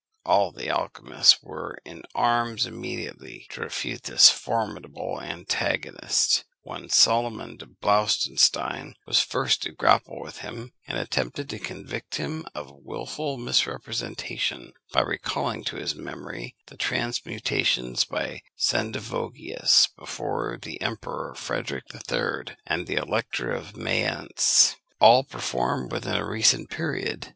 All the alchymists were in arms immediately, to refute this formidable antagonist. One Solomon de Blauenstein was the first to grapple with him, and attempted to convict him of wilful misrepresentation, by recalling to his memory the transmutations by Sendivogius, before the Emperor Frederick III. and the Elector of Mayence, all performed within a recent period.